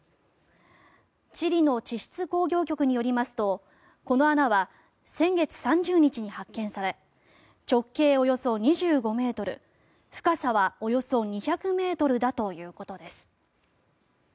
チリの地質鉱業局によりますとこの穴は先月３０日に発見され直径およそ２５ｍ深さはおよそ２００ｍだということです。